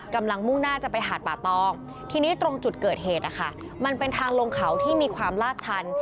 มุ่งหน้าจะไปหาดป่าตองทีนี้ตรงจุดเกิดเหตุนะคะมันเป็นทางลงเขาที่มีความลาดชัน